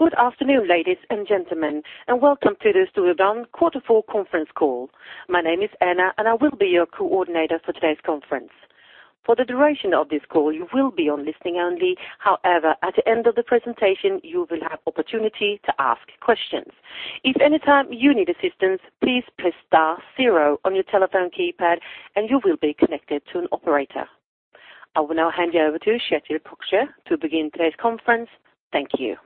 Good afternoon, ladies and gentlemen, and welcome to the Storebrand Q4 Conference Call. My name is Anna, and I will be your coordinator for today's conference. For the duration of this call, you will be on listening only. However, at the end of the presentation, you will have opportunity to ask questions. If anytime you need assistance, please press star zero on your telephone keypad, and you will be connected to an operator. I will now hand you over to Kjetil Krøkje to begin today's conference. Thank you.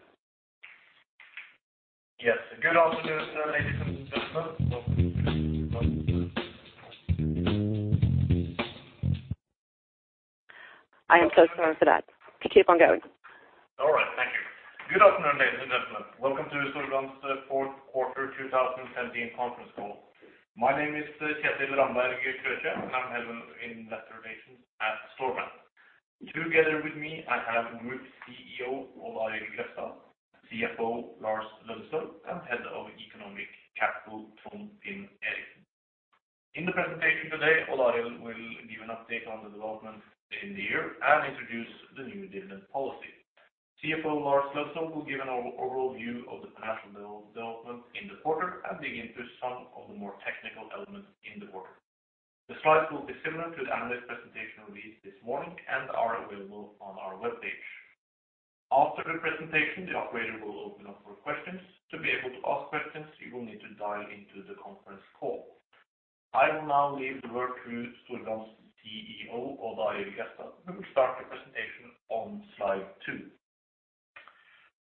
Yes. Good afternoon, ladies and gentlemen. I am so sorry for that. Please keep on going. All right, thank you. Good afternoon, ladies and gentlemen. Welcome to Storebrand's Q4 2017 Conference Call. My name is Kjetil Ramberg Krøkje. I'm Head of Investor Relations at Storebrand. Together with me, I have Group CEO Odd Arild Grefstad, CFO Lars Aasulv Løddesøl, and Head of Economic Capital Trond Finn Eriksen. In the presentation today, Odd Arild Grefstad will give an update on the development in the year and introduce the new dividend policy. CFO Lars Aasulv Løddesøl will give an overall view of the financial development in the quarter and dig into some of the more technical elements in the quarter. The slides will be similar to the analyst presentation released this morning and are available on our webpage. After the presentation, the operator will open up for questions. To be able to ask questions, you will need to dial into the conference call. I will now leave the word to Storebrand's CEO, Odd Arild Grefstad, who will start the presentation on slide two.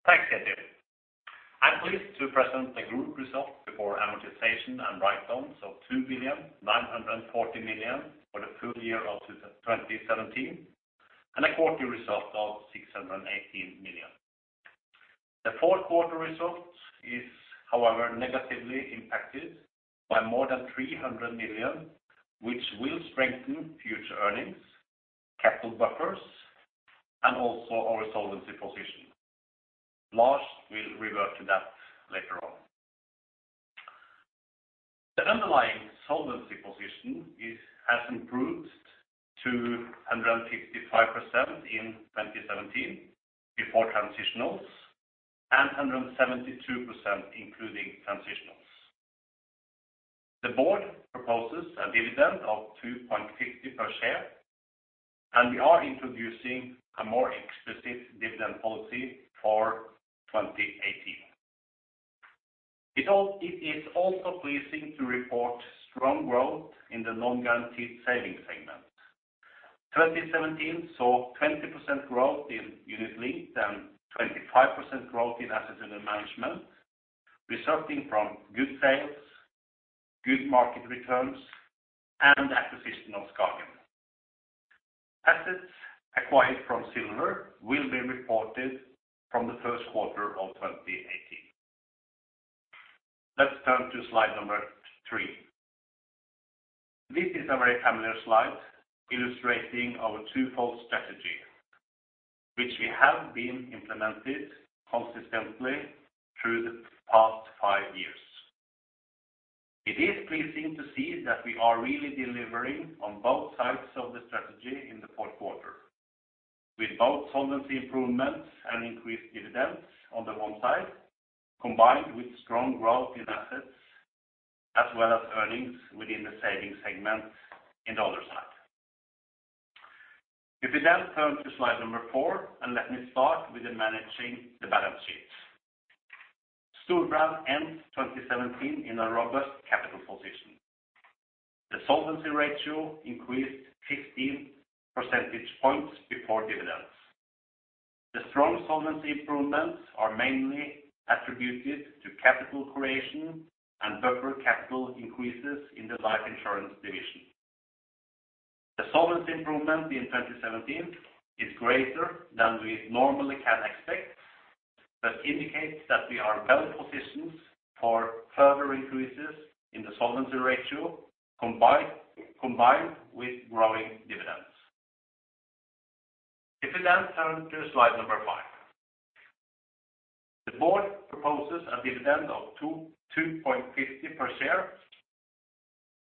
Thanks, Kjetil. I'm pleased to present the group results before amortization and write-downs of 2.940 billion for the full year of 2017, and a quarterly result of 618 million. The Q4 result is, however, negatively impacted by more than 300 million, which will strengthen future earnings, capital buffers, and also our solvency position. Lars will revert to that later on. The underlying solvency position is, has improved to 165% in 2017 before transitionals, and 172%, including transitionals. The board proposes a dividend of 2.50 per share, and we are introducing a more explicit dividend policy for 2018. It is also pleasing to report strong growth in the non-guaranteed savings segment. 2017 saw 20% growth in unit linked and 25% growth in assets under management, resulting from good sales, good market returns, and acquisition of Skagen. Assets acquired from Silver will be reported from the Q1 of 2018. Let's turn to slide three. This is a very familiar slide illustrating our twofold strategy, which we have been implemented consistently through the past five years. It is pleasing to see that we are really delivering on both sides of the strategy in the Q4, with both solvency improvements and increased dividends on the one side, combined with strong growth in assets, as well as earnings within the savings segment in the other side. If we then turn to slide five, and let me start with managing the balance sheet. Storebrand ends 2017 in a robust capital position. The solvency ratio increased 15 percentage points before dividends. The strong solvency improvements are mainly attributed to capital creation and buffer capital increases in the life insurance division. The solvency improvement in 2017 is greater than we normally can expect, but indicates that we are well positioned for further increases in the solvency ratio, combined with growing dividends. If we then turn to slide number five. The board proposes a dividend of 2.50 per share,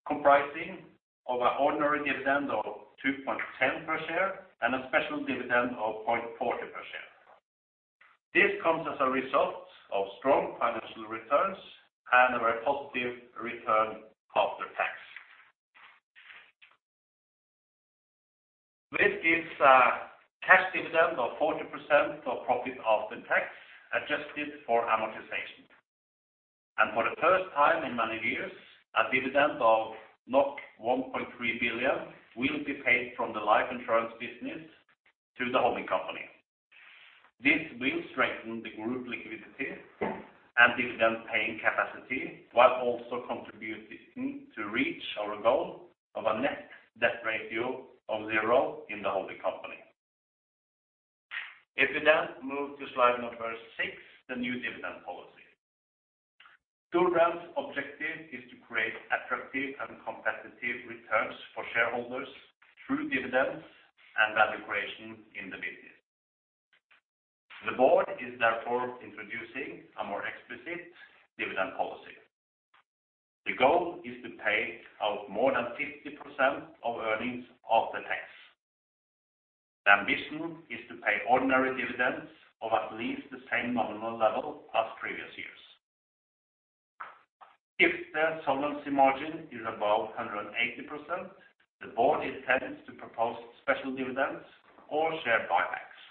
comprising of an ordinary dividend of 2.10 per share and a special dividend of 0.40 per share. This comes as a result of strong financial returns and a very positive return after tax. This is cash dividend of 40% of profit after tax, adjusted for amortization. For the first time in many years, a dividend of 1.3 billion will be paid from the life insurance business to the holding company. This will strengthen the group liquidity and dividend paying capacity, while also contributing to reach our goal of a net debt ratio of zero in the holding company. If we move to slide number six, the new dividend policy. Storebrand's objective is to create attractive and competitive returns for shareholders through dividends and value creation in the business. The board is therefore introducing dividend policy. The goal is to pay out more than 50% of earnings after tax. The ambition is to pay ordinary dividends of at least the same nominal level as previous years. If the solvency margin is above 180%, the board intends to propose special dividends or share buybacks.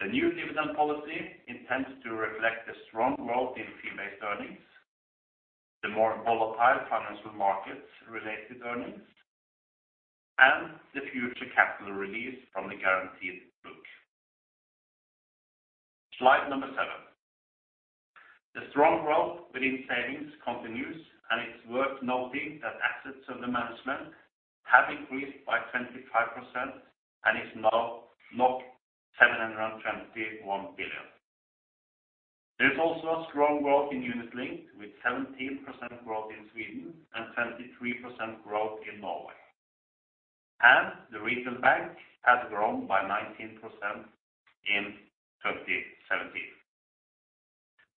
The new dividend policy intends to reflect the strong growth in fee-based earnings, the more volatile financial markets related earnings, and the future capital release from the guaranteed book. Slide number seven. The strong growth within savings continues, and it's worth noting that assets under management have increased by 25% and is now 721 billion. There's also a strong growth in unit linked, with 17% growth in Sweden and 23% growth in Norway, and the regional bank has grown by 19% in 2017.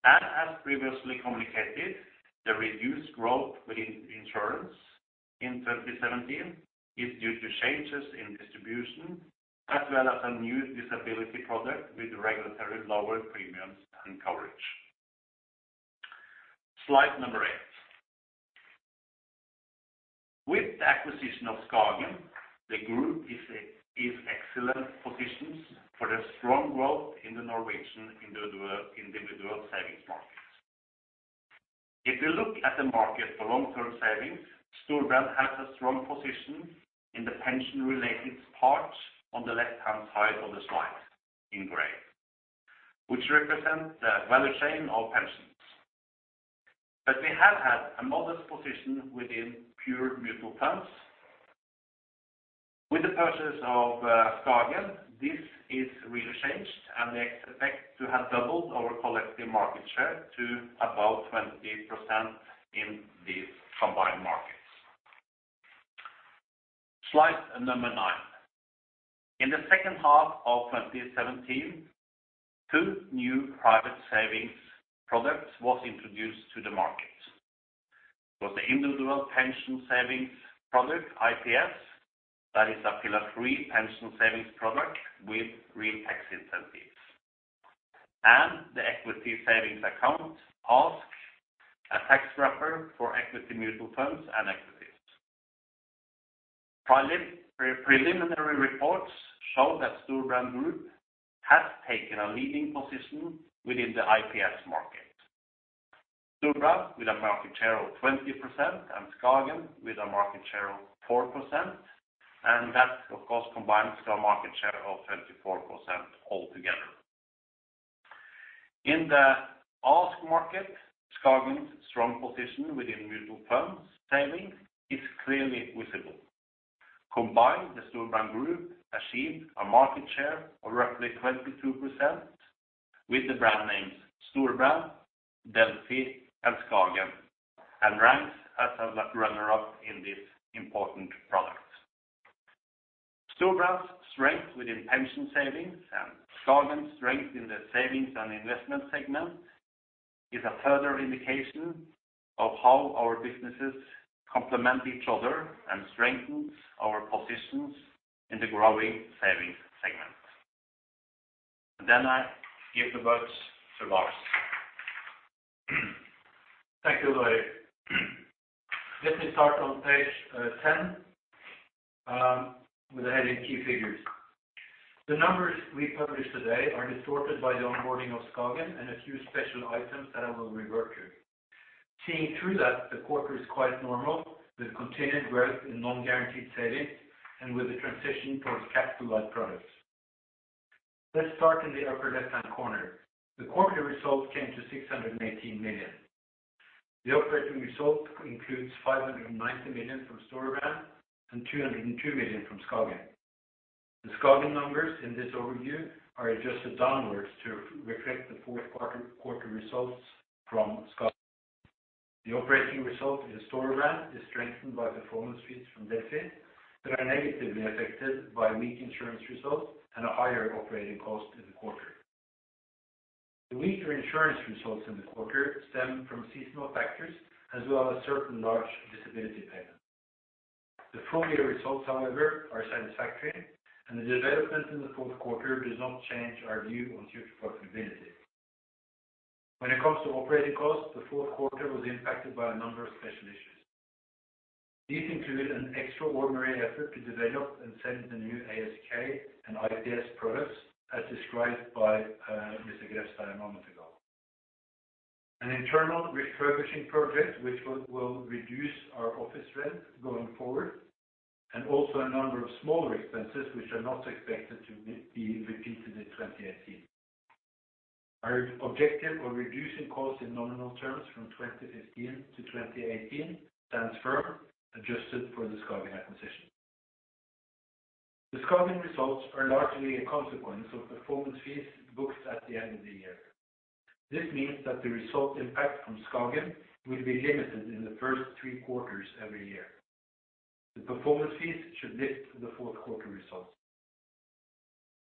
And as previously communicated, the reduced growth within insurance in 2017 is due to changes in distribution, as well as a new disability product with regulatory lower premiums and coverage. Slide number eight. With the acquisition of Skagen, the group is in excellent positions for the strong growth in the Norwegian individual savings markets. If you look at the market for long term savings, Storebrand has a strong position in the pension related parts on the left-hand side of the slide in gray, which represent the value chain of pensions, but we have had a modest position within pure mutual funds. With the purchase of Skagen, this is really changed, and we expect to have doubled our collective market share to about 20% in these combined markets. Slide number nine. In the H2 of 2017, two new private savings products was introduced to the market. For the individual pension savings product, IPS, that is a pillar three pension savings product with real tax incentives, and the equity savings account, ASK, a tax wrapper for equity mutual funds and equities. Preliminary reports show that Storebrand Group has taken a leading position within the IPS market. Storebrand with a market share of 20% and Skagen with a market share of 4%, and that, of course, combines to a market share of 24% altogether. In the ASK market, Skagen's strong position within mutual funds savings is clearly visible. Combined, the Storebrand Group achieved a market share of roughly 22% with the brand names Storebrand, Delphi, and Skagen, and ranks as a runner-up in this important product. Storebrand's strength within pension savings and Skagen's strength in the savings and investment segment is a further indication of how our businesses complement each other and strengthens our positions in the growing savings segment. Then I give the words to Lars. Thank you, Larry. Let me start on page 10 with the heading Key Figures. The numbers we publish today are distorted by the onboarding of Skagen and a few special items that I will revert to. Seeing through that, the quarter is quite normal, with continued growth in non-guaranteed savings and with the transition towards capitalized products. Let's start in the upper left-hand corner. The quarterly results came to 618 million. The operating result includes 590 million from Storebrand and 202 million from Skagen. The Skagen numbers in this overview are adjusted downwards to reflect the Q4 results from Skagen. The operating result in Storebrand is strengthened by performance fees from Delphi, but are negatively affected by weak insurance results and a higher operating cost in the quarter. The weaker insurance results in the quarter stem from seasonal factors, as well as a certain large disability payment. The full year results, however, are satisfactory, and the development in the Q4 does not change our view on future profitability. When it comes to operating costs, the Q4 was impacted by a number of special issues. These include an extraordinary effort to develop and send the new ASK and IPS products, as described by Mr. Grefstad a moment ago. An internal refurbishing project, which will reduce our office rent going forward, and also a number of smaller expenses, which are not expected to be repeated in 2018. Our objective of reducing costs in nominal terms from 2015 to 2018 stands firm, adjusted for the Skagen acquisition. The Skagen results are largely a consequence of performance fees booked at the end of the year. This means that the result impact from Skagen will be limited in the first three quarters every year. The performance fees should lift the Q4 results.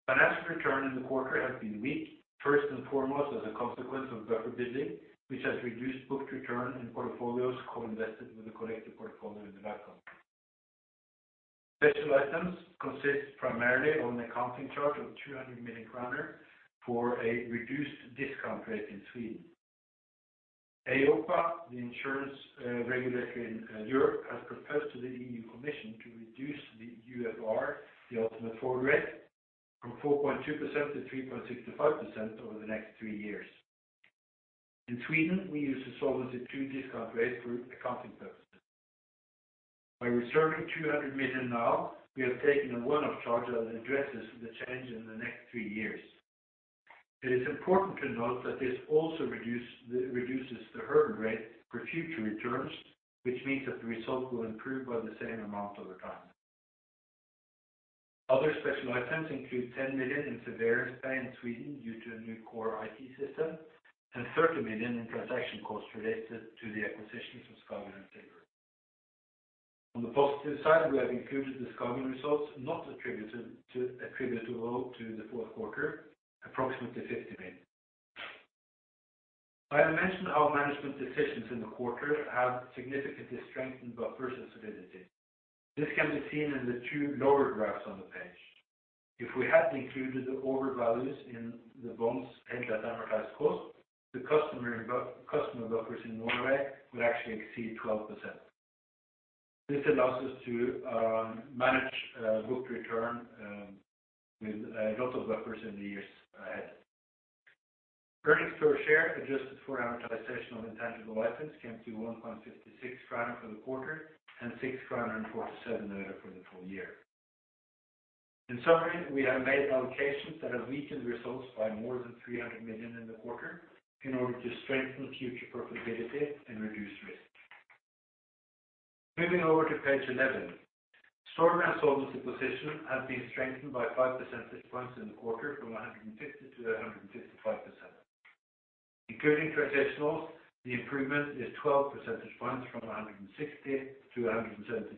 Financial return in the quarter has been weak, first and foremost, as a consequence of buffer building, which has reduced booked return in portfolios co-invested with the collective portfolio in the background. Special items consist primarily of an accounting charge of 200 million kroner for a reduced discount rate in Sweden. EIOPA, the insurance regulator in Europe, has proposed to the EU Commission to reduce the UFR, the ultimate forward rate, from 4.2%-3.65% over the next three years. In Sweden, we use the Solvency II discount rate for accounting purposes. By reserving 200 million now, we have taken a one-off charge that addresses the change in the next three years. It is important to note that this also reduces the hurdle rate for future returns, which means that the result will improve by the same amount over time. Other special items include 10 million in severance pay in Sweden due to a new core IT system and 30 million in transaction costs related to the acquisitions of Skagen and Silver. On the positive side, we have included the Skagen results, attributable to the Q4 approximately 50 million. I have mentioned how management decisions in the quarter have significantly strengthened buffers and solidity. This can be seen in the two lower graphs on the page. If we hadn't included the overvalues in the bonds paid at amortized cost, the customer buffers in Norway would actually exceed 12%. This allows us to manage booked return with a lot of buffers in the years ahead. Earnings per share, adjusted for amortization of intangible items, came to 1.56 kroner for the quarter and NOK 6.47 for the full year. In summary, we have made allocations that have weakened results by more than 300 million in the quarter in order to strengthen future profitability and reduce risk. Moving over to page 11. Storebrand solvency position has been strengthened by 5 percentage points in the quarter from 150% to 155%. Including transitionals, the improvement is 12 percentage points, from 160% to 172%.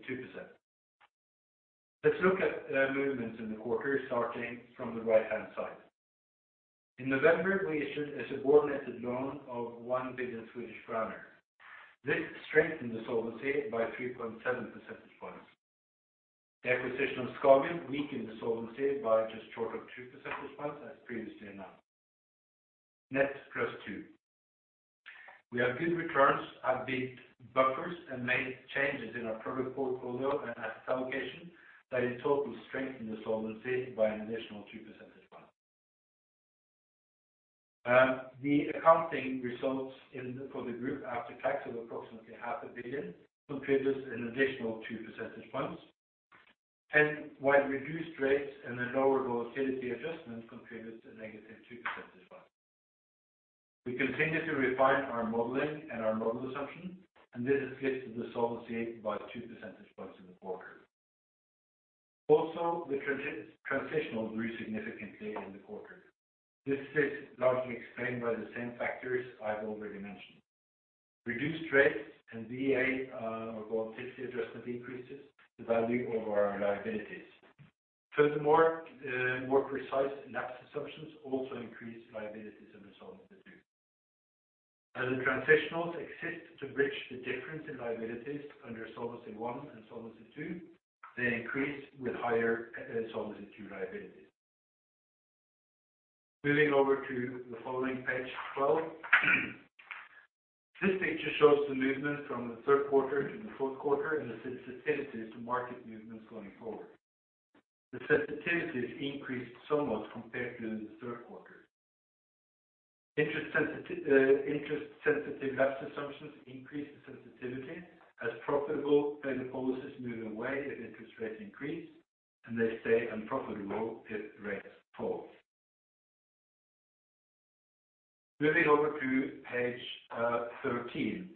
Let's look at movements in the quarter, starting from the right-hand side. In November, we issued a subordinated loan of 1 billion Swedish kronor. This strengthened the solvency by 3.7 percentage points. The acquisition of Skagen weakened the solvency by just short of 2 percentage points, as previously announced. Net +2. We have good returns, have built buffers, and made changes in our product portfolio and asset allocation that in total strengthen the solvency by an additional 2 percentage points. The accounting results in for the group after tax of approximately 500 million contributes an additional 2 percentage points, and while reduced rates and a lower volatility adjustment contributes to -2 percentage points. We continue to refine our modeling and our model assumptions, and this has lifted the solvency by 2 percentage points in the quarter. Also, the transitionals grew significantly in the quarter. This is largely explained by the same factors I've already mentioned. Reduced rates and VA, or volatility adjustment, increases the value of our liabilities. Furthermore, more precise lapse assumptions also increase liabilities and the Solvency II. As the transitionals exist to bridge the difference in liabilities under Solvency I and Solvency II, they increase with higher Solvency II liabilities. Moving over to the following, page 12. This picture shows the movement from the Q3 to the Q4 and the sensitivities to market movements going forward. The sensitivities increased somewhat compared to in the Q3. Interest-sensitive lapse assumptions increased the sensitivity as profitable policies move away if interest rates increase, and they stay unprofitable if rates fall. Moving over to page 13.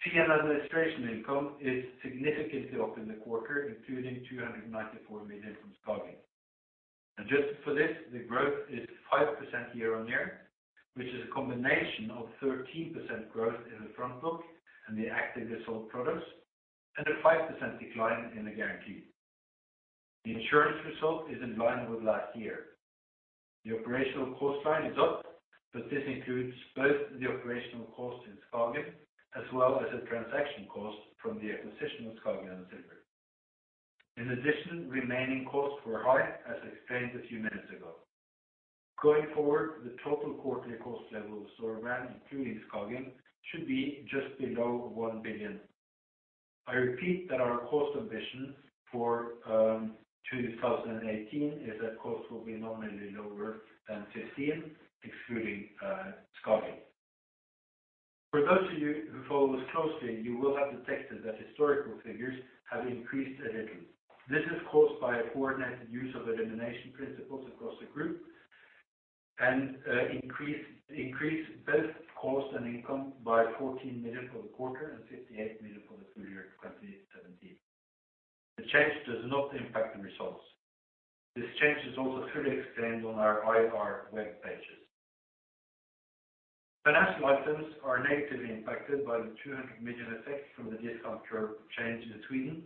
Fee and administration income is significantly up in the quarter, including 294 million from Skagen. Adjusted for this, the growth is 5% year-on-year, which is a combination of 13% growth in the front book and the actively sold products, and a 5% decline in the guarantee. The insurance result is in line with last year. The operational cost line is up, but this includes both the operational costs in Skagen, as well as the transaction costs from the acquisition of Skagen and Silver. In addition, remaining costs were high, as explained a few minutes ago. Going forward, the total quarterly cost level of Storebrand, including Skagen, should be just below 1 billion. I repeat that our cost ambition for 2018 is that costs will be nominally lower than 2015, excluding Skagen. For those of you who follow us closely, you will have detected that historical figures have increased a little. This is caused by a coordinated use of elimination principles across the group and increase both cost and income by 14 million for the quarter and 58 million for the full year 2017. The change does not impact the results. This change is also fully explained on our IR web pages. Financial items are negatively impacted by the 200 million effect from the discount curve change in Sweden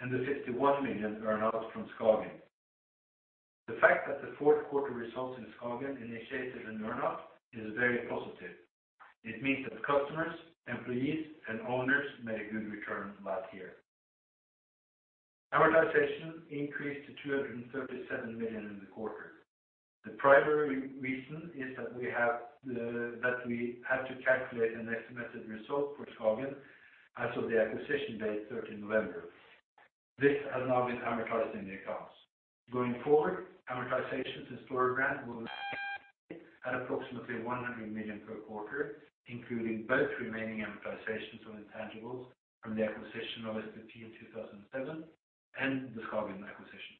and the 51 million earn out from Skagen. The fact that the Q4 results in Skagen initiated an earn out is very positive. It means that customers, employees, and owners made a good return last year. Amortization increased to 237 million in the quarter. The primary reason is that we have, that we had to calculate an estimated result for Skagen as of the acquisition date, third of November. This has now been amortized in the accounts. Going forward, amortizations in Storebrand will at approximately 100 million per quarter, including both remaining amortizations on intangibles from the acquisition of SPP in 2007 and the Skagen acquisition.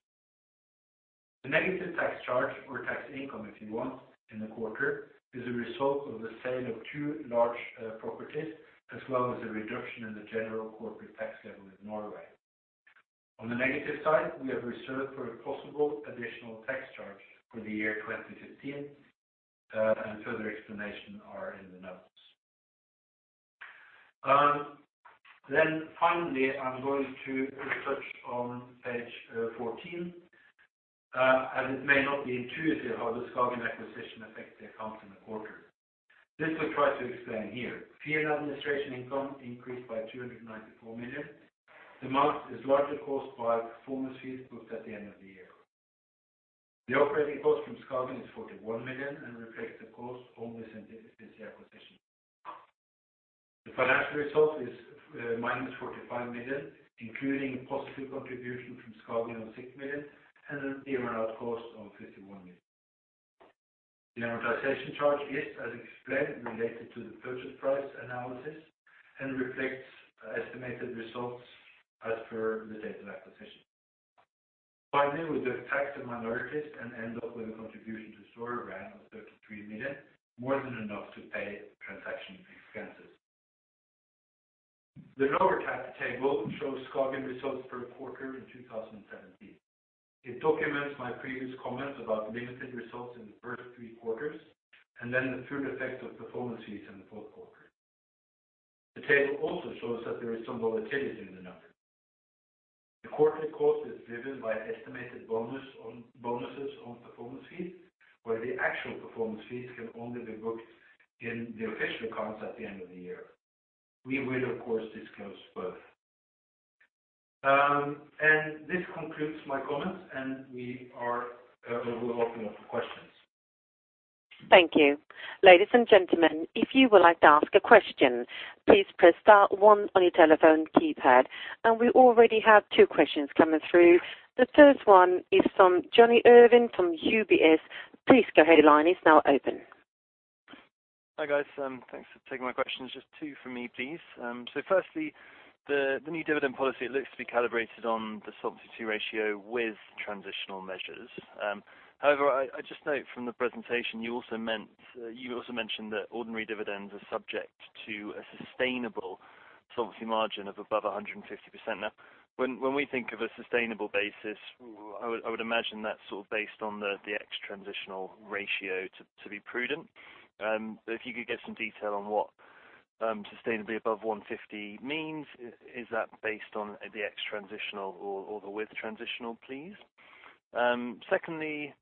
The negative tax charge or tax income, if you want, in the quarter, is a result of the sale of two large properties, as well as a reduction in the general corporate tax level in Norway. On the negative side, we have reserved for a possible additional tax charge for the year 2015, and further explanation are in the notes. Then finally, I'm going to touch on page 14, as it may not be intuitive how the Skagen acquisition affects the accounts in the quarter. This we try to explain here. Fee and administration income increased by 294 million. The amount is largely caused by performance fees booked at the end of the year. The operating cost from Skagen is 41 million and reflects the cost only since the acquisition. The financial result is -45 million, including a positive contribution from Skagen of 6 million and an earn out cost of 51 million. The amortization charge is, as explained, related to the purchase price analysis and reflects estimated results as per the date of acquisition. Finally, we do tax the minorities and end up with a contribution to Storebrand of 33 million, more than enough to pay transaction expenses. The lower half table shows Skagen results per quarter in 2017. It documents my previous comments about limited results in the first three quarters, and then the full effect of performance fees in the Q4. The table also shows that there is some volatility in the numbers. The quarterly cost is driven by estimated bonuses on performance fees, where the actual performance fees can only be booked in the official accounts at the end of the year. We will, of course, disclose both. And this concludes my comments, and we are, we're open up for questions. Thank you. Ladies and gentlemen, if you would like to ask a question, please press star one on your telephone keypad. We already have two questions coming through. The first one is from Jonny Urwin, from UBS. Please go ahead, your line is now open. Hi, guys. Thanks for taking my questions. Just two for me, please. So firstly, the new dividend policy looks to be calibrated on the Solvency II ratio with transitional measures. However, I just note from the presentation, you also mentioned that ordinary dividends are subject to a sustainable solvency margin of above 150%. Now, when we think of a sustainable basis, I would imagine that's sort of based on the ex-transitional ratio to be prudent. But if you could get some detail on what sustainably above 150 means, is that based on the ex-transitional or the with transitional, please? Secondly,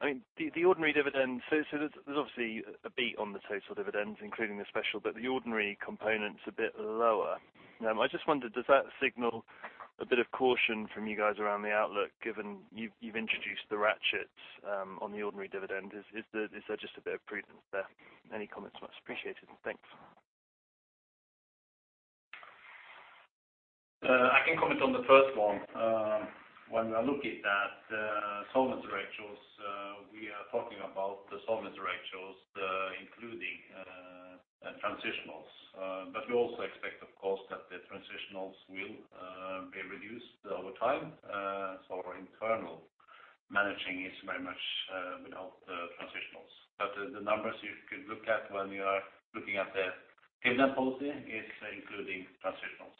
I mean, the ordinary dividend, so there's obviously a beat on the total dividends, including the special, but the ordinary component's a bit lower. I just wondered, does that signal a bit of caution from you guys around the outlook, given you've introduced the ratchets on the ordinary dividend? Is there just a bit of prudence there? Any comments, much appreciated. Thanks. I can comment on the first one. When we are looking at solvency ratios, we are talking about the solvency ratios including transitionals. But we also expect, of course, that the transitionals will be reduced over time. So our internal managing is very much without the transitionals. But the numbers you could look at when you are looking at the dividend policy is including transitionals.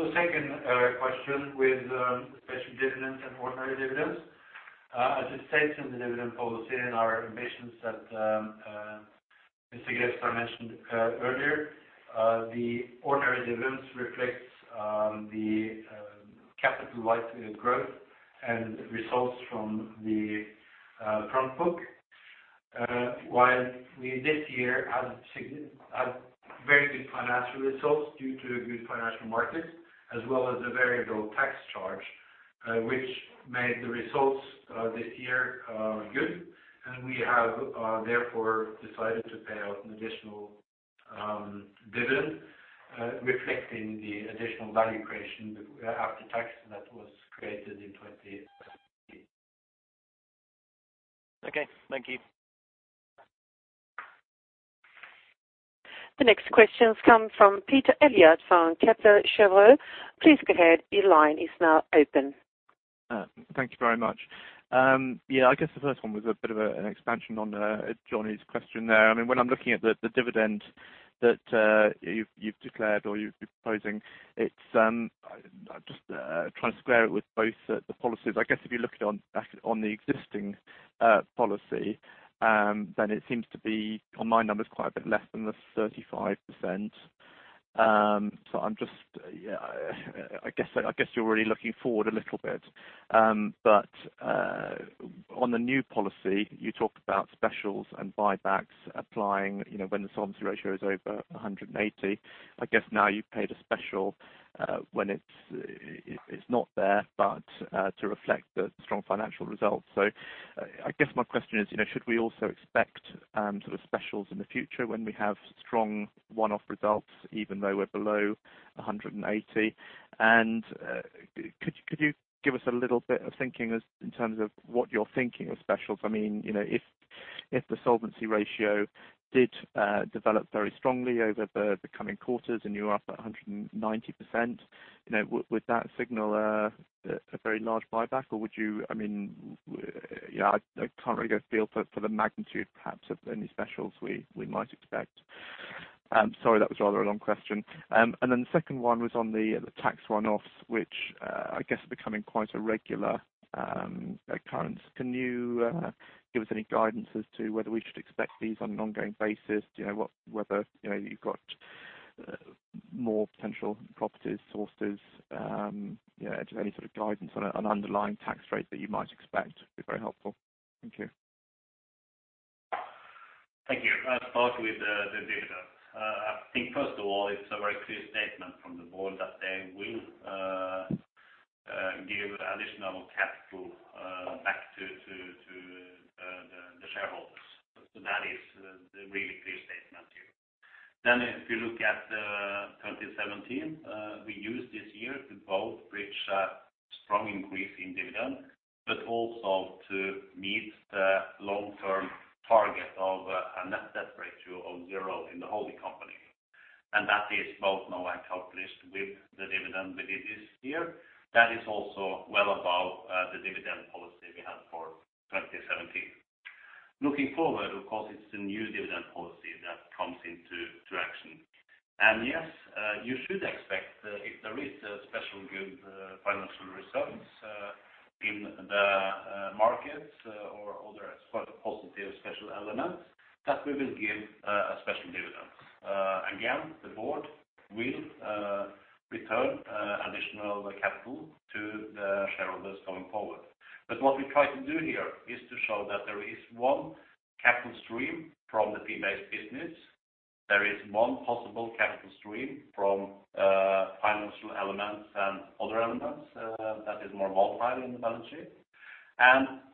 On the second question with special dividends and ordinary dividends, as it states in the dividend policy, in our ambitions that Mr. Grefstad mentioned earlier, the ordinary dividends reflects the capital-light growth and results from the front book. While we this year had very good financial results due to good financial markets, as well as a very low tax charge, which made the results this year good. We have therefore decided to pay out an additional dividend reflecting the additional value creation after tax that was created in 2018. Okay, thank you. The next question comes from Peter Eliot, from Kepler Cheuvreux. Please go ahead. Your line is now open. Thank you very much. Yeah, I guess the first one was a bit of an expansion on Jonny's question there. I mean, when I'm looking at the dividend that you've declared or you're proposing, it's... I'm just trying to square it with both the policies. I guess if you look back on the existing policy, then it seems to be, on my numbers, quite a bit less than 35%. So I'm just, yeah, I guess you're really looking forward a little bit. But on the new policy, you talked about specials and buybacks applying, you know, when the solvency ratio is over 180. I guess now you've paid a special when it's not there, but to reflect the strong financial results. So I guess my question is, you know, should we also expect sort of specials in the future when we have strong one-off results, even though we're below 180? And could you give us a little bit of thinking as in terms of what you're thinking of specials? I mean, you know, if the solvency ratio did develop very strongly over the coming quarters, and you are up to 190%, you know, would that signal a very large buyback? Or would you? I mean, yeah, I can't really get a feel for the magnitude, perhaps, of any specials we might expect. Sorry, that was rather a long question. And then the second one was on the tax one-offs, which I guess are becoming quite a regular occurrence. Can you give us any guidance as to whether we should expect these on an ongoing basis? Do you know whether, you know, you've got more potential properties, sources, you know, just any sort of guidance on an underlying tax rate that you might expect would be very helpful. Thank you. Thank you. I'll start with the dividend. I think, first of all, it's a very clear statement from the board that they will give additional capital back to the shareholders. So that is the really clear statement here. Then, if you look at 2017, we used this year to both reach a strong increase in dividend, but also to meet the long-term target of a net debt ratio of zero in the holding company. And that is both now accomplished with the dividend that it is here. That is also well above the dividend policy we had for 2017. Looking forward, of course, it's the new dividend policy that comes into action. Yes, you should expect, if there is a special good financial results in the markets or other positive special elements, that we will give a special dividend. Again, the board will return additional capital to the shareholders going forward. But what we try to do here is to show that there is one capital stream from the fee-based business. There is one possible capital stream from financial elements and other elements that is more volatile in the balance sheet.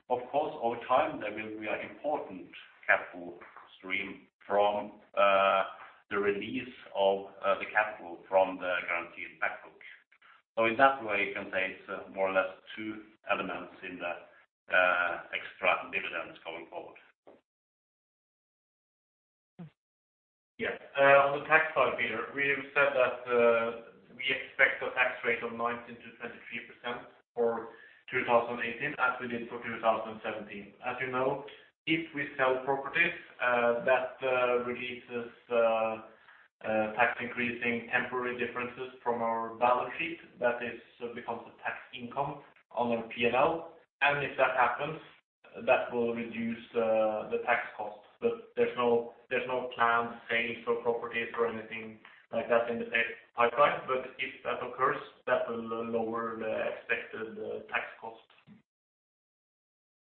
Of course, over time, there will be an important capital stream from the release of the capital from the guaranteed back book. So in that way, you can say it's more or less two elements in the extra dividends going forward. Yeah, on the tax side, Peter, we have said that we expect a tax rate of 19%-23% for 2018, as we did for 2017. As you know, if we sell properties, that releases tax increasing temporary differences from our balance sheet, that is, becomes a tax income on our PNL. And if that happens, that will reduce the tax cost. But there's no planned sales for properties or anything like that in the pipeline. But if that occurs, that will lower the expected tax cost.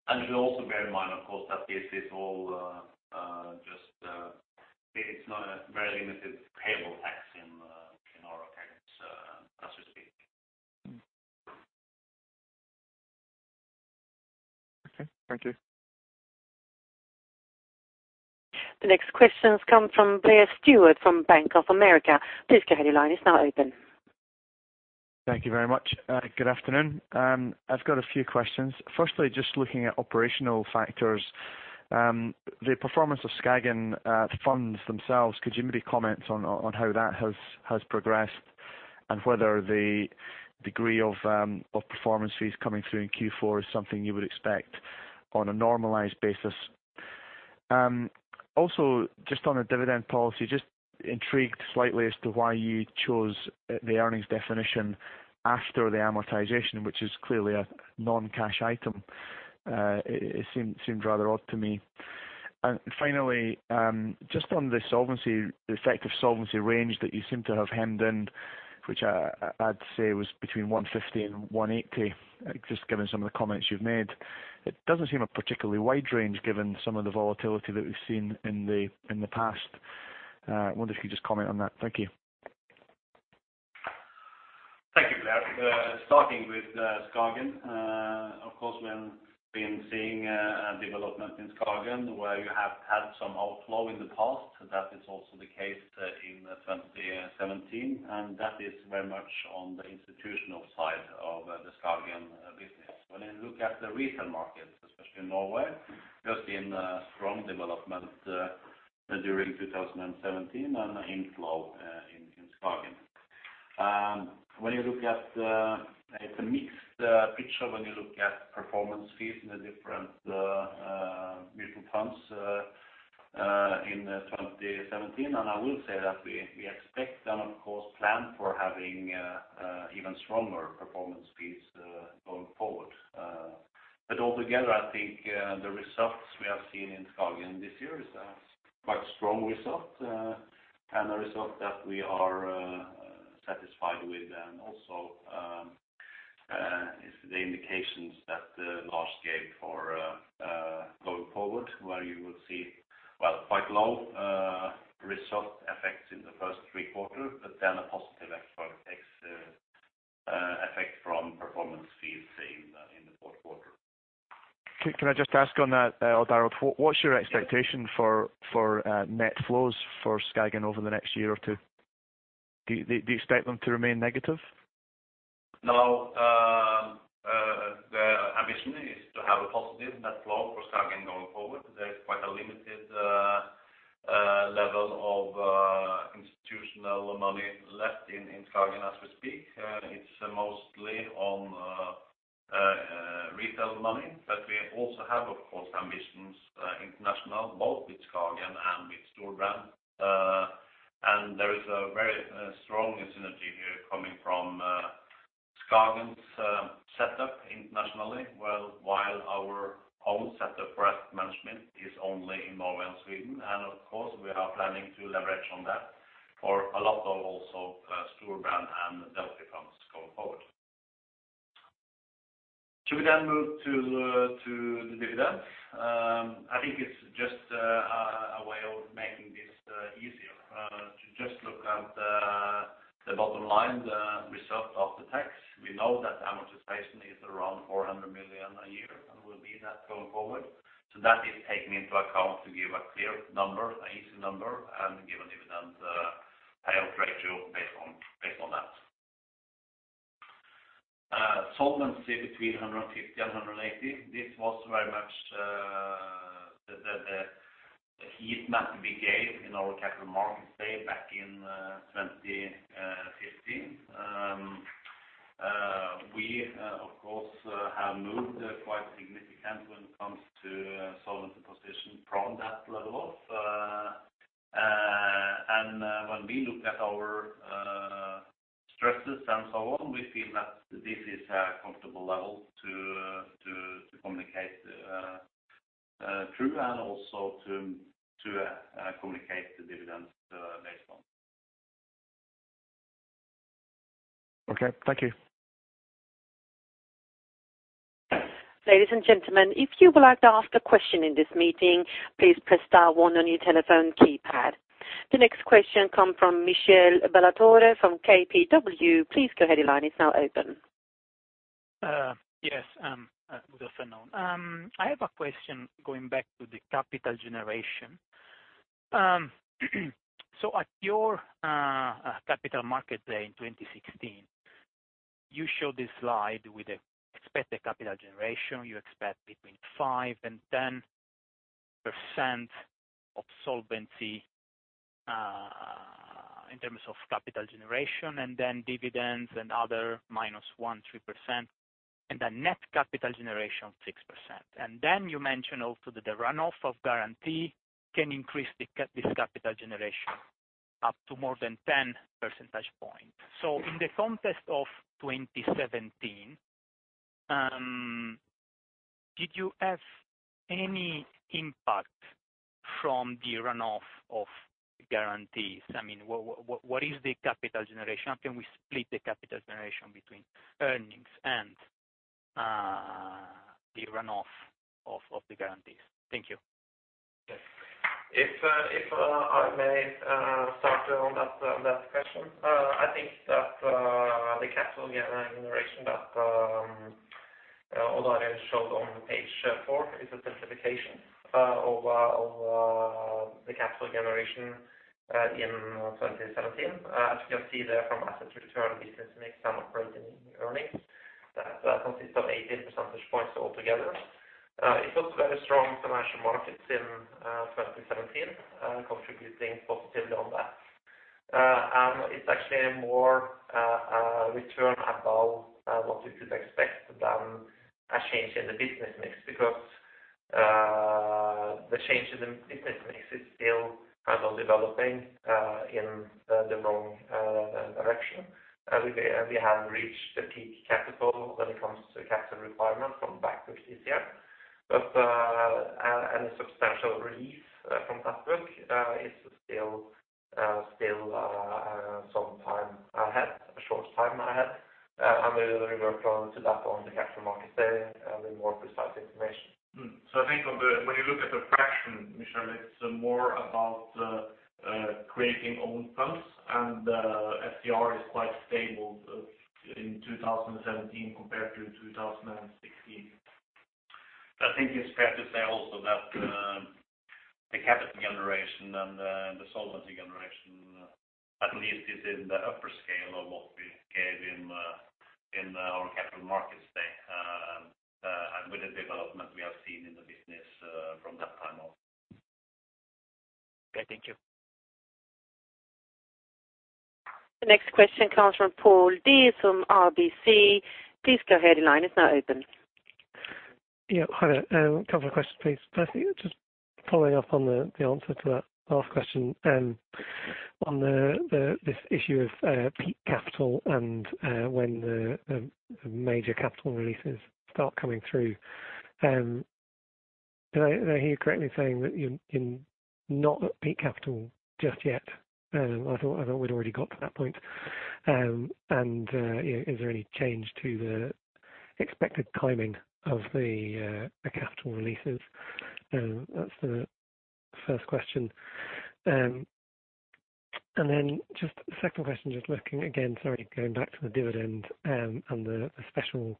And you should also bear in mind, of course, that this is all just it's not a very limited payable tax in in our accounts, so to speak. Okay. Thank you. The next question comes from Blair Stewart, from Bank of America. Please go ahead, your line is now open. Thank you very much. Good afternoon. I've got a few questions. Firstly, just looking at operational factors, the performance of Skagen funds themselves, could you maybe comment on how that has progressed? And whether the degree of performance fees coming through in Q4 is something you would expect on a normalized basis. Also, just on a dividend policy, just intrigued slightly as to why you chose the earnings definition after the amortization, which is clearly a non-cash item. It seemed rather odd to me. And finally, just on the solvency, the effective solvency range that you seem to have hemmed in, which I'd say was between 150 and 180, just given some of the comments you've made. It doesn't seem a particularly wide range, given some of the volatility that we've seen in the, in the past. I wonder if you could just comment on that. Thank you. Thank you, Blair. Starting with Skagen. Of course, we have been seeing a development in Skagen, where you have had some outflow in the past. That is also the case in 2017, and that is very much on the institutional side of the Skagen business. When you look at the retail markets, especially in Norway, there's been a strong development during 2017 and inflow in Skagen. When you look at, it's a mixed picture when you look at performance fees in the different mutual funds in 2017, and I will say that we, we expect and, of course, plan for having even stronger performance fees going forward. But altogether, I think, the results we have seen in Skagen this year is quite strong result, and a result that we are satisfied with. And also, is the indications that Lars gave for going forward, where you will see, well, quite low result effects in the first three quarter, but then a positive effect, ex, effect from performance fees in the Q4. Can I just ask on that, Odd Arild? What's your expectation for net flows for Skagen over the next year or two? Do you expect them to remain negative? No, the ambition is to have a positive net flow for Skagen going forward. There is quite a limited level of institutional money left in Skagen as we speak. It's mostly on retail money, but we also have, of course, ambitions international both with Skagen and with Storebrand. And there is a very strong synergy here coming from Skagen's setup internationally, well, while our own setup for asset management is only in Norway and Sweden. And of course, we are planning to leverage on that for a lot of also Storebrand and DNB funds going forward. Should we then move to the dividend? I think it's just a way of making this easier to just look at the bottom line, the result of the tax. We know that the amortization is around 400 million a year and will be that going forward. So that is taking into account to give a clear number, an easy number, and give a dividend payout ratio based on that. Solvency between 150 and 180, this was very much the heat map we gave in our Capital Markets Day back in 2015. We of course have moved quite significant when it comes to solvency position from that level. And when we look at our stresses and so on, we feel that this is a comfortable level to communicate through and also to communicate the dividends based on. Okay, thank you. Ladies and gentlemen, if you would like to ask a question in this meeting, please press star one on your telephone keypad. The next question come from Michele Ballatore from KBW. Please go ahead, your line is now open. Yes, good afternoon. I have a question going back to the capital generation. So at your Capital Markets Day in 2016, you showed this slide with the expected capital generation. You expect between 5% and 10% of solvency, in terms of capital generation, and then dividends and other minus 1-3%, and a net capital generation of 6%. And then you mentioned also that the runoff of guarantee can increase this capital generation up to more than 10 percentage points. So in the context of 2017, did you have any impact from the runoff of guarantees? I mean, what is the capital generation? How can we split the capital generation between earnings and the runoff of the guarantees? Thank you. Yes. If I may start on that, on that question. I think that the capital generation that Odd Arild showed on page four is a simplification of the capital generation in 2017. As you can see there from assets return, business mix, and operating earnings, that consists of 18 percentage points altogether. It was very strong financial markets in 2017, contributing positively on that. And it's actually more return above what you could expect than a change in the business mix, because the change in the business mix is still kind of developing in the wrong direction. We have reached the peak capital when it comes to capital requirement from backbook CCR. But any substantial relief from that book is still some time ahead, a short time ahead. And we will revert on to that on the capital market day with more precise information. So I think on the, when you look at the fraction, Michele, it's more about creating own funds, and SCR is quite stable in 2017 compared to 2016. I think it's fair to say also that the capital generation and the solvency generation at least is in the upper scale of what we gave in our capital markets day and with the development we have seen in the business from that time on. Okay, thank you. The next question comes from Paul De'Ath from RBC. Please go ahead, the line is now open. Yeah. Hi there. A couple of questions, please. Firstly, just following up on the answer to that last question, on this issue of peak capital and when the major capital releases start coming through. Did I hear you correctly saying that you're not at peak capital just yet? I thought we'd already got to that point. And is there any change to the expected timing of the capital releases? That's the first question. And then just the second question, just looking again, sorry, going back to the dividend, and the special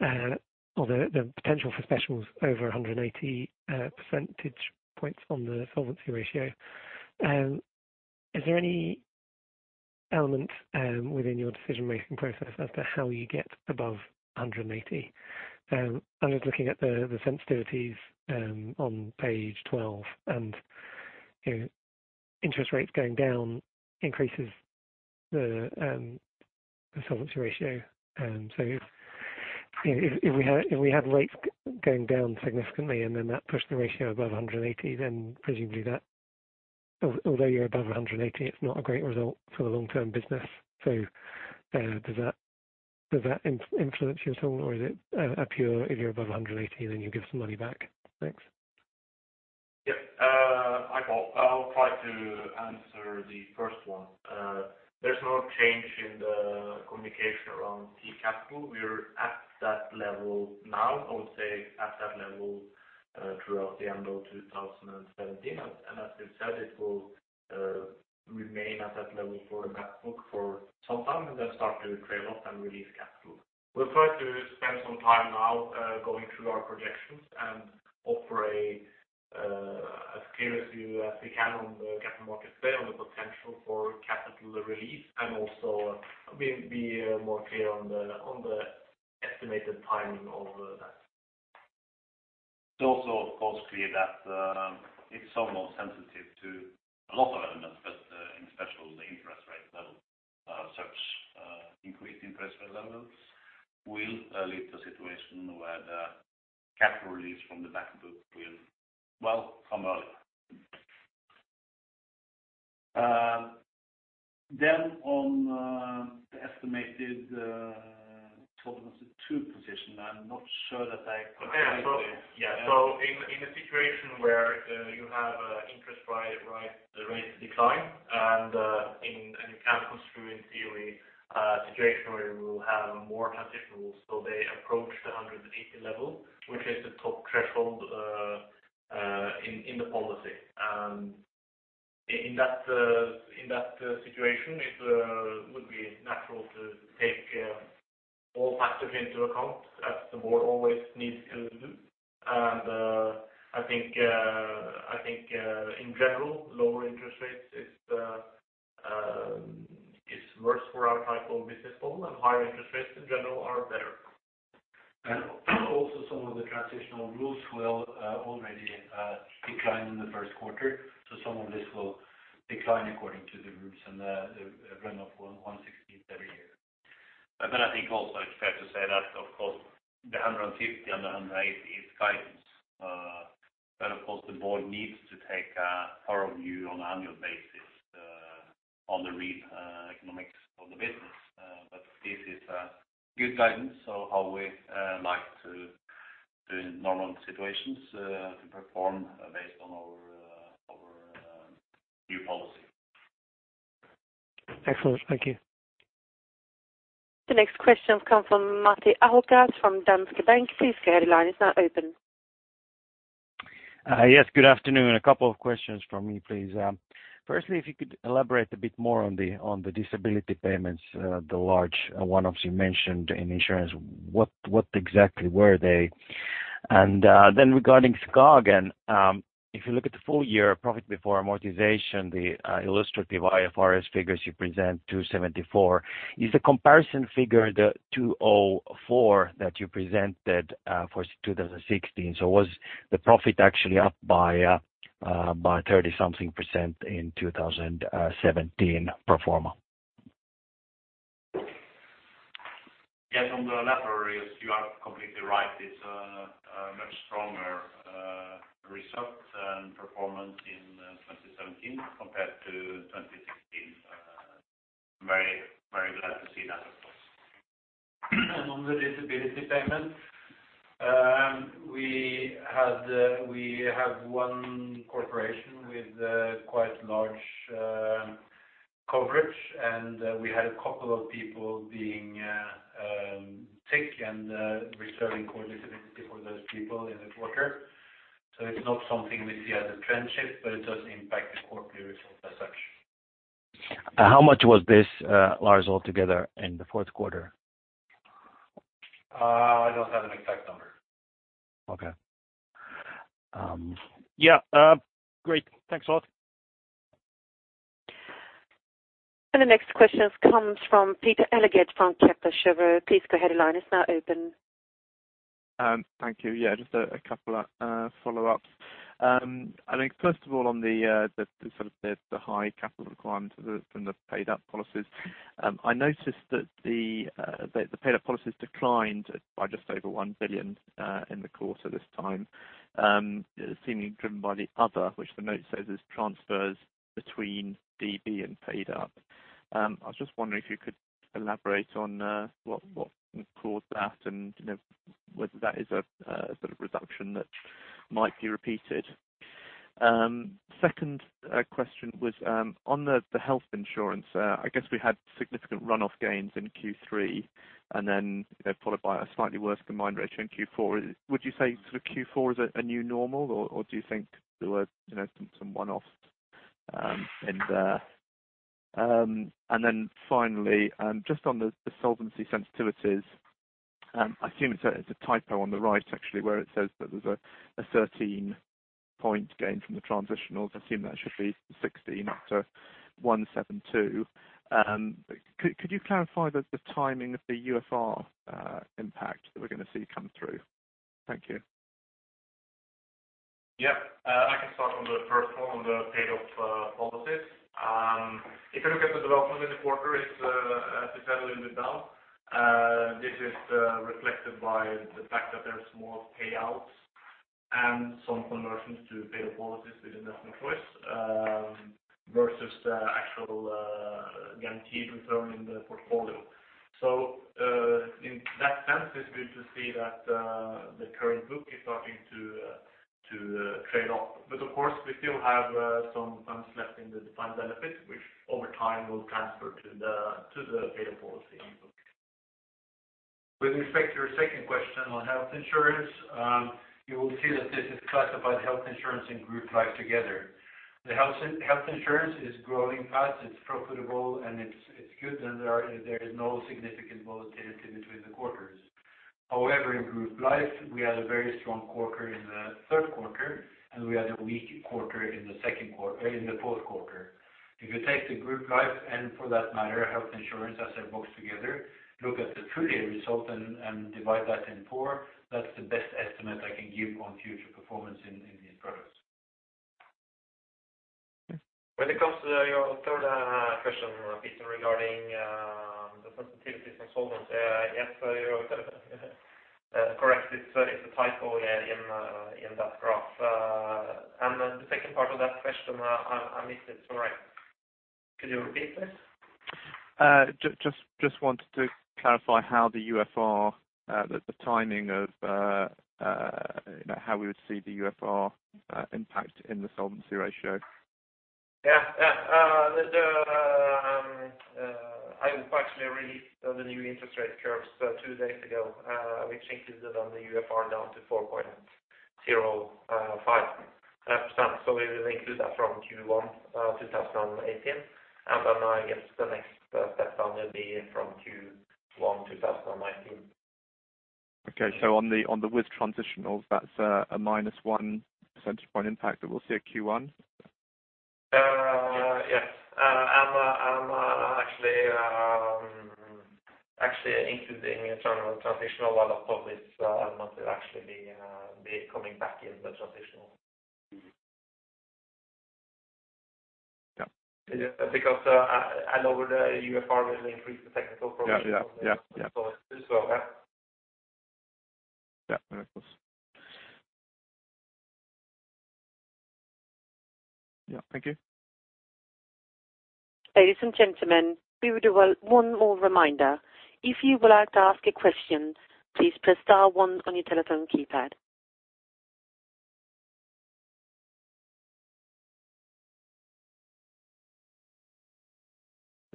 or the potential for specials over 180 percentage points on the solvency ratio. Is there any element within your decision-making process as to how you get above 180? I was looking at the sensitivities on page 12, and, you know, interest rates going down increases the solvency ratio. So if we had rates going down significantly, and then that pushed the ratio above 180, then presumably that, although you're above 180, it's not a great result for the long-term business. So, does that influence you at all, or is it a pure if you're above 180, then you give some money back? Thanks. Yep. Hi, Paul. I'll try to answer the first one. There's no change in the communication around peak capital. We're at that level now, I would say, at that level throughout the end of 2017. And as we said, it will remain at that level for the back book for some time and then start to trail off and release capital. We'll try to spend some time now going through our projections and offer a as clear as view as we can on the capital market today, on the potential for capital release, and also be more clear on the estimated timing of that. It's also, of course, clear that it's somewhat sensitive to a lot of elements, but especially, the interest rate level. Such increased interest rate levels will lead to a situation where the capital release from the back book will, well, come early. Then, on the estimated future position, I'm not sure that I completely. Yeah. So in a situation where you have interest rates decline and you can't go through, in theory, a situation where you will have more transitional, so they approach the 180 level, which is the top threshold in the policy. And in that situation, it would be natural to take all factors into account, as the board always needs to do. And I think in general, lower interest rates is worse for our type of business model, and higher interest rates in general are better. Also, some of the transitional rules will already decline in the Q1, so some of this will decline according to the rules and the run up one sixteenth every year. But then I think also it's fair to say that, of course, the 150 and the 180 is guidance. But of course, the board needs to take a thorough view on an annual basis, on the real economics of the business. But this is a good guidance on how we like to, in normal situations, to perform based on our new policy. Excellent. Thank you. The next question comes from Matti Ahokas from Danske Bank. Please go ahead. Line is now open. Yes, good afternoon. A couple of questions from me, please. Firstly, if you could elaborate a bit more on the disability payments, the large one-offs you mentioned in insurance, what exactly were they? And then regarding Skagen, if you look at the full year profit before amortization, the illustrative IFRS figures you present 274. Is the comparison figure the 204 that you presented for 2016? So was the profit actually up by 30-something% in 2017 pro forma? Yes, on the latter, you are completely right. It's a much stronger result and performance in 2017 compared to 2016. Very, very glad to see that, of course. On the disability payment, we had, we have one corporation with a quite large coverage, and we had a couple of people being sick and reserving for disability for those people in the quarter. It's not something we see as a trend shift, but it does impact the core period as such. How much was this large altogether in the Q4? I don't have an exact number. Okay. Yeah, great. Thanks a lot. The next question comes from Peter Eliot from Kepler Cheuvreux. Please go ahead. Line is now open. Thank you. Yeah, just a couple of follow-ups. I think first of all, on the sort of high capital requirements from the paid-up policies, I noticed that the paid-up policies declined by just over 1 billion in the course of this time. Seemingly driven by the other, which the note says is transfers between DB and paid-up. I was just wondering if you could elaborate on what caused that and, you know, whether that is a sort of reduction that might be repeated. Second question was on the health insurance. I guess we had significant runoff gains in Q3, and then, you know, followed by a slightly worse combined ratio in Q4. Would you say sort of Q4 is a new normal, or do you think there were, you know, some one-off in there? And then finally, just on the solvency sensitivities, I assume it's a typo on the right actually, where it says that there's a 13-point gain from the transitionals. I assume that should be 16, so 172. Could you clarify the timing of the UFR impact that we're gonna see come through? Thank you. Yeah. I can start on the first one, on the paid up policies. If you look at the development in the quarter, it's settled a little bit down. This is reflected by the fact that there's more payouts and some conversions to paid up policies with investment choice versus the actual guaranteed return in the portfolio. So, in that sense, it's good to see that the current book is starting to trade off. But of course, we still have some funds left in the defined benefit, which over time will transfer to the paid up policy. With respect to your second question on health insurance, you will see that this is classified health insurance and group life together. The health insurance is growing fast, it's profitable, and it's good, and there is no significant volatility between the quarters. However, in group life, we had a very strong quarter in the Q3, and we had a weak quarter in the Q2, in the Q4. If you take the group life, and for that matter, health insurance, as they're boxed together, look at the full year result and divide that in four, that's the best estimate I can give on future performance in these products. When it comes to your third question, Peter, regarding the sensitivity from solvency, yes, you're correct. It's a typo, yeah, in that graph. And then the second part of that question, I missed it, sorry. Could you repeat please? Just wanted to clarify how the UFR, the timing of, you know, how we would see the UFR impact in the solvency ratio. Yeah, yeah. I will actually release the new interest rate curves two days ago, which included on the UFR down to 4.05%. So we will include that from Q1 2018, and then, I guess, the next step down will be from Q1 2019. Okay. So on the with transitionals, that's a minus 1 percentage point impact that we'll see at Q1? Yes. And actually, including the internal transitional, a lot of this amount will actually be coming back in the transitional. Yeah. Because a lower UFR will increase the technical program. Yeah, yeah. Yeah, yeah. As well, yeah. Yeah, of course. Yeah. Thank you. Ladies and gentlemen, we would have one more reminder. If you would like to ask a question, please press star one on your telephone keypad.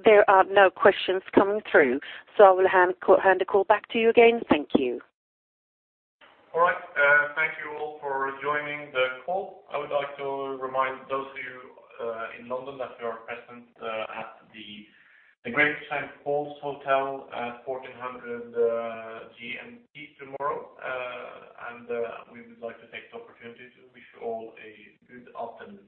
There are no questions coming through, so I will hand the call back to you again. Thank you. All right. Thank you all for joining the call. I would like to remind those of you in London that we are present at the Great St. Paul's Hotel at 2:00 P.M. GMT tomorrow. We would like to take the opportunity to wish you all a good afternoon.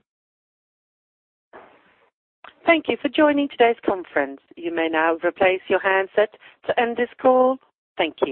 Thank you for joining today's conference. You may now replace your handset to end this call. Thank you.